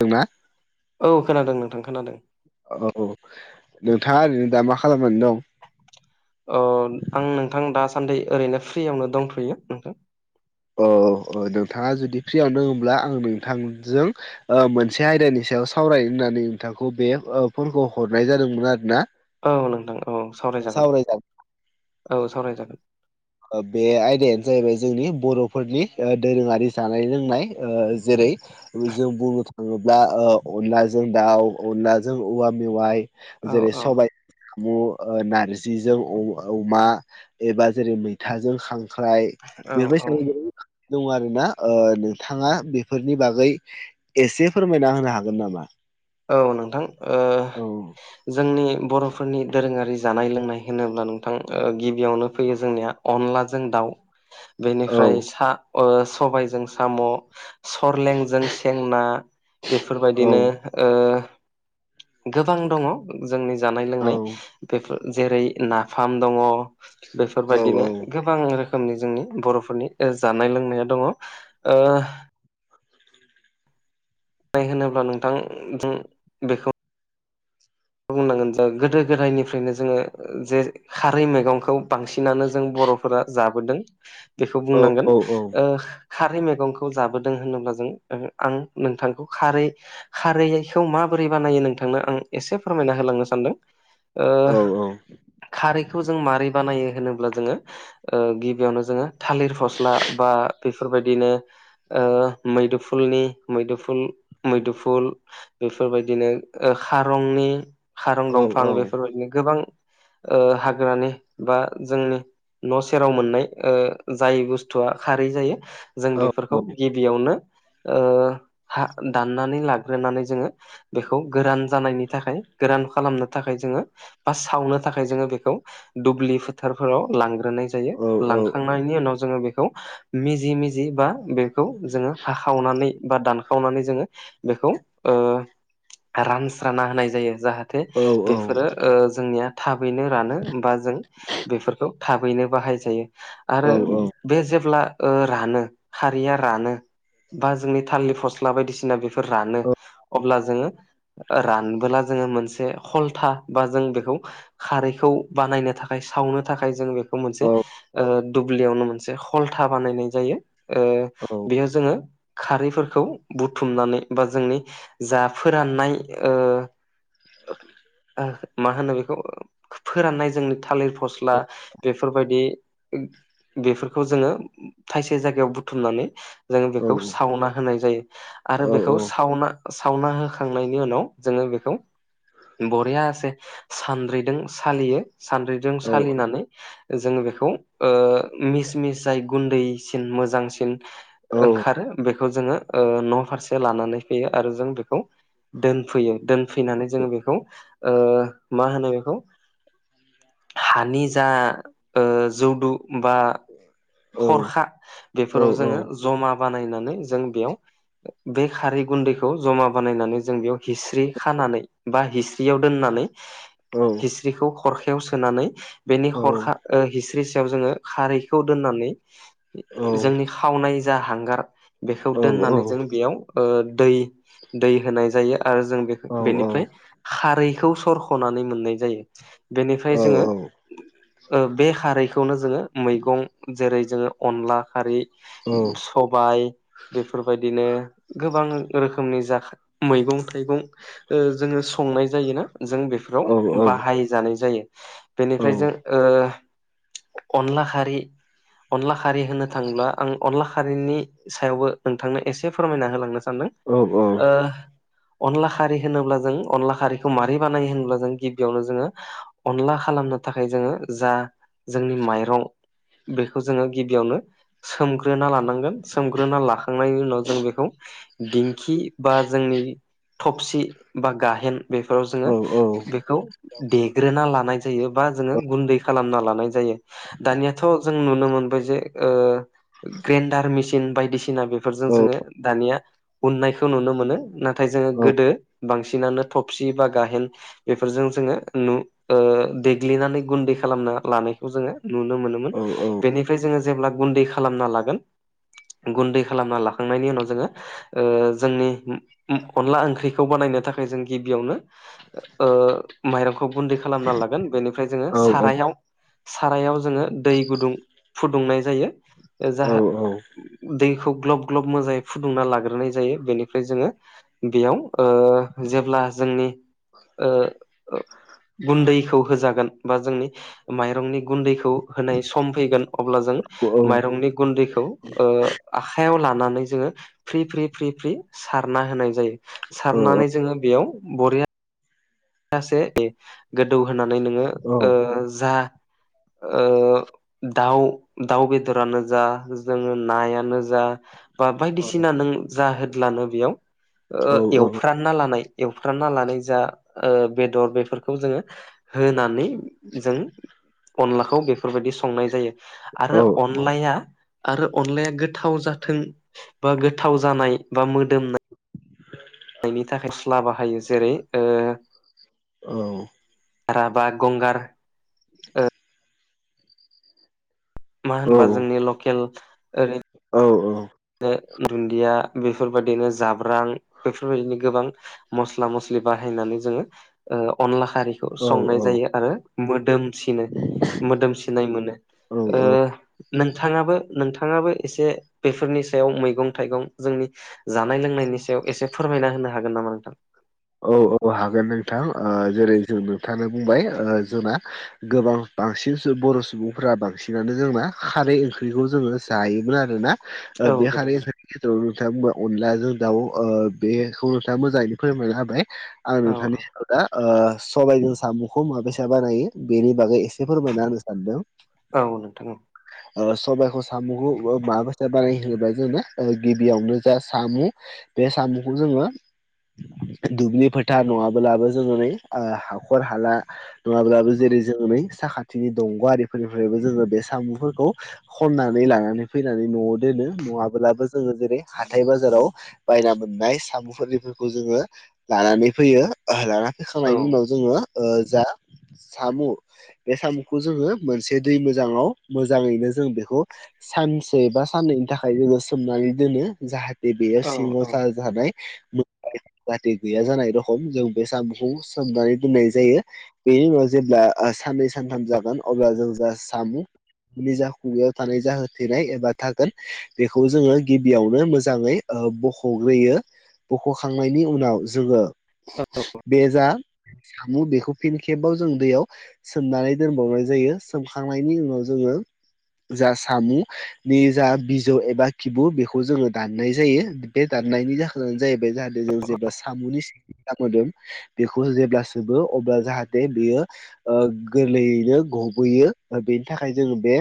दोंना औ खोनादों नोंथां खोनादों। औ नोंथाङा ओरैनो दा मा खालामनानै दं? अ आं नोंथां दासान्दि ओरैनो फ्रियावनो दंथ'यो नोंथां। अ अ नोंथाङा जुदि फ्रियाव दोङोब्ला आं नोंथांजों मोनसे आयदानि सायाव सावरायनो होननानै नोंथांखौ बे फनखौ हरनाय जादोंमोन आरो ना। औ नोंथां औ सावरायजागोन औ सावरायजागोन। ओ बे आयदायानो जाहैबाय जोंनि बर'फोरनि ओ दोरोङारि जानाय लोंनाय ओ जेरै जों बुंनो थाङोब्ला ओ अनलाजों दाउ अनलाजों औवा मेवाइ औ जेरै औ सबाय सामु ओ नारजिजों अ-अमा एबा जेरै मैथाजों खां ख्राइ औ औ बेफोरबायसाबो गोबां दं आरो ना? नोंथाङा बेफोरनि बागै एसे फोरमायना होनो हागोन नामा? औ नोंथां। ओ औ जोंनि बर'फोरनि दोरोङारि जानाय लोंनाय होनोब्ला नोंथां ओ गिबियावनो फैयो जोंनिया अनलाजों दाउ। [unintelligible] बेनिफ्राय सा ओ सबायाइजों साम'। सरलेंजों सें ना औ बेफोरबायदिनो ओ गोबां दङ' जोंनि जानाय औ लोंनाय। बेफोर जेरै नाफाम दङ'। औ बेफोरबायदिनो गोब बां रोखोमनि जोंनि बर'फोरनि ओ जानाय लोंनाया दङ'। ओ नाय होनोब्ला नोंथां जों बेखौ बुंनांगोन जा गोदो गोदायनिफ्रायनो जोङो जे खारै मैगंखौ बांसिनानो जों बर'फोरा जाबोदों बेखौ औ बुंनांगोन। औ ओ खारै मैगंखौ जाबोदों होनोब्ला जों ओहो आं नोंथांखौ खारै खारैखौ माबोरै बानायो नोंथांनो आं एसे फोरमायना होलांनो सानदों। ओ औ खारैखौ जों मारै बानायो होनोब्ला जोङो ओ गिबियावनो जोङो थालेर फस्ला बा बेफोरबायदिनो ओ मैदोफुलनि मैदोफुल मैदोफुल बेफोरबायदिनो ओ खारंनि खारं औ दंफां बेफोरबायदिनो गोबां ओ हाग्रानि बा जोंनि न' सेराव मोननाय ओ जाय बुस्थुआ खारै जायो। जों बेफोरखौ औ गिबियावनो ओ हा दाननानै लाग्रोनानै जोङो बेखौ गोरान जानायनि थाखाय गोरान खालामनो थाखाय जोङो बा सावनो थाखाय जोङो बेखौ दुब्लि फोथारफोराव लांग्रोनाय जा औ जायो। औ लांखांनायनि उनाव जोङो बेखौ मिजि मिजि बा बेखौ जोङो हाखावनानै बा दानखावनानै जोङो बेखौ ओ रानस्राना होनाय जायो। जाहाथे औ औ बेफोरो ओ जोंनिया थाबैनो रानो बा जों बेफोरखौ थाबैनो बाहाय जायो। आरो औ बे जेब्ला ओ रानो खारैया रानो बा जोंनि थालि फस्ला बायदिसिना बे फोर रानो। अब्ला‌ जोङो ओ रानबोला जोङो मोनसे हलथा बा जों बेखौ खारैखौ बानायनो थाखाय सावनो थाखाय जों बे खौ मोनसे औ ओ दुब्लियावनो मोनसे हलथा बानायनाय जायो। ओ औ बेयाव जोङो खारैफोरखौ बुथुमनानै बा जोंनि जा फोराननाय ओ मा होनो बेखौ फोराननाय जोंनि थालिर फस्ला बेफोरबायदि बेफोरखौ जोङो थाइसे जायगायाव बुथुमनानै जोङो औ बेखौ सावना होनाय जायो आरो बेखौ सावना सावना होखांनायनि उनाव जोङो बेखौ बरियासे सानद्रिजों सालियो सानद्रिजों औ सालिनानै जोङो बेखौ ओ मिस मिस जाय गुन्दैसिन मोजांसिन ओंखारो बेखौ जोङो ओ न फारसे लानानै फैयो आरो जों बेखौ दोनफैयो दोनफैनानै जोङो बेखौ ओ मा होनो बेखौ हानि जा ओ जौदु बा खरखा बेफोराव जोङो जमा बानायनानै जों बेयाव बे खारै गुन्दैखौ जमा बानायनानै जों बेयाव हिस्रि खानानै बा हिस्रियाव दोननानै हिस्रिखौ खरखायाव सोनानै बेनि खरखा ओ हिस्रि सायाव जोङो खारैखौ दोननानै जोंनि खावनाय जा हांगार बेखौ दोननानै जों बेयाव ओ दै दै होनाय जायो आरो जों बे बेनिफ्राय खारैखौ सरख'नानै मोननाय जायो बेनिफ्राय जोङो ओ बे खारैखौनो जोङो मैगं जेरै जोङो अनला खारै सबाइ बेफोरबायदिनो गोबां रोखोमनि जा‌ खा‌ मैगं थाइगं ओ जोङो संनाय जायो ना जों बेफोराव बाहाय जानाय जायो बेनिफ्राय जों ओ अनला खारि अनला खारि होनो थाङोब्ला आं अनला खारिनि सायावबो नोंथांनो एसे फोरमायना होलांनो सानदों ओ अनला खारि होनोब्ला जों अनला खारिखौ मारै बानायो होनोब्ला जों गिबियावनो जोङो अनला खालामनो थाखाय जोङो जा जोंनि माइरं बेखौ जोङो गिबियावनो सोमग्रोना लानांगोन सोमग्रोना लाखांनायनि उनाव जों बेखौ दिंखि बा जोंनि थबसि बा गाहेन बेफोराव जोङो बेखौ देग्रोना लानाय जायो बा जोङो गुन्दै खालामना लानाय जायो दानियाथ जों नुनो मोनबाय जे ओ ग्रेन्डार मेसिन बायदिसिना बेफोरजों जोङो दानिया उननायखौ नुनो मोनो नाथाय जोङो गोदो बांसिनानो थफसि बा गाहेन बेफोरजों जोङो नु ओ देग्लिनानै गुन्दै खालामना लानायखौ जोङो नुनो मोनोमोन बेनिफ्राय जोङो जेब्ला गुन्दै खालामना लागोन गुन्दै खालामना लाखांनायनि उनाव जोङो ओजोंनि अनला ओंख्रिखौ खौ बानायनो थाखाय जों गिबियावनो ओ माइरंखौ गुन्दै खालामना लागोन बेनि ओमफ्राय जोङो सारायाव सारायाव जोङो दै गुदुं फुदुंनाय जायो जाहा दैखौ ग्लब ग्लब मोजाङै फुदुंना लाग्रोनाय जायो बेनिफ्राय जोङो बेयाव ओ जेब्ला जोंनि ओ ओ गुन्दैखौ होजागोन बा जोंनि माइरंनि गुन्दैखौ होनाय सम फैगोन अब्ला जों माइरंनि गुन्दैखौ ओ आखायाव लानानै जोङो फ्रि फ्रि फ्रि फ्रि सारना होनाय जायो सारनानै जोङो बेयाव बरिया बरेयासे गोदौ होनानै नोङो ओ जा ओ दाउ दाउ बेदरानो जा जोङो नाया नो जा बा बायदिसिना नों जाहोदलानो बेयाव ओ एवफ्रानना लानाय एवफ्रानना लानाय जा ओ बेदर बेफोरखौ जोङो होनानै जों अनलाखौ बेफोरबायदि संनाय जायो। आरो अनलाया आरो अनलाया गोथाव जाथों बा गोथाव जानाय बा मोदोमनाय नायनि थाखाय स्ला बाहायो जेरै ओ औ। राभा गंगार मा होनबा जोंनि लकेल ओरै औ औ। दुन्दिया बेफोरबायदिनो जाब्रां बेफोरबायदिनो गोबां मस्ला मस्लि बाहायनानै जोङो अनला खारिखौ संनाय जायो आरो मोदोमसिनो। मोदोमसिनाय मोनो। औ औ नोंथाङाबो- नोंथाङाबो एसे बेफोरनि सायाव मैगं थाइगं जोंनि जानाय लोंनायनि सायाव एसे फोरमायना होनो हागोन नामा नोंथां। औ औ हागोन नोंथां जेरै जों नोंथाङानो बुंबाय जना गोबां बांसिन बर' सुबुंफोरा बांसिनानो जोंना खारै ओंख्रिखौ जोङो जायोमोन आरोना। औ बे गोदौ हारि नोंथाङा अनलाजों दाउ बेखौ नोंथाङा मोजाङैनो फोरमनानै होबाय। आ औ नथानि आ दा ओ सबायाइजों साम'खौ माबेसा बानायो बेनि बागै एसे फोरमायना होनो सानदों। औ नोंथां ओ। सबायाइखौ साम'खौ माब बानाय होनोब्ला जोङो गिबियावनो जा सामु बे सामुखौ जोङो दुब्लि फोथा नङाब्लाबो जोङो नै आ हाखर हाला नङाब्लाबो जेरै जों नै साखाथिनि दंग' आरिफोरनिफ्रायबो जोङो बे साम'फोरखौ खननानै लानानै फैनानै न'आव दोनो नङाब्लाबो जोङो जेरै हाथथाय बाजाराव बायना मोननाय साम'फोरनिफोरखौ जोङो लानानै फैयो लाना होखां नायनायनि उनाव जोङो जा साम' बे साम'खौ जोङो मोनसे दै मोजाङाव मोजाङैनो जों बेखौ सानसे बा साननैनि थाखाय जोङो सोमनानै दोनो जाहाथ बेयो औ औ सिङावसा जानाय जाहाथे गैया जानाय रखम जों बे साम'खौ सोमनानै दोननाय जायो। बेनि उनाव जेब्ला साननै सानथाम जागोन अब्ला जों जा साम' जा खुगायाव थानाय जा होथेनाय एबा थागोन बेखौ जोङो गिबियावनो मोजाङै बख'ग्रोयो बख'खांनायनि उनाव जोङो बेजा म' बेखौ फिन खेबाव जों दैयाव सोमनानै दोनबावनाय जायो सोमखांनायनि उनाव जोङो जा साम' नि जा बिजौ एबा किबु बेखौ जोङो दाननाय जायो। बे दाननायनि जाहोनानो जाहैबाय जाहाथे जों जेब्ला साम'नि सि [unintelligible] बेखौ जेब्ला सोबो अब्ला जाहाथे बेयो ओगोरलैयैनो गबोयो बेनि थाखाय जोङो बे